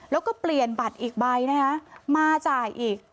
แล้วก็เปลี่ยนบัตรอีกใบนะคะมาจ่ายอีก